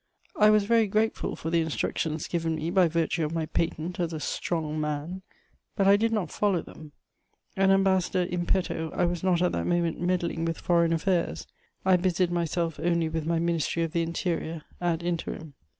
I was very grateful for the instructions given me by virtue of my patent as "a strong man," but I did not follow them: an ambassador in petto I was not at that moment meddling with foreign affairs; I busied myself only with my Ministry of the Interior _ad interim.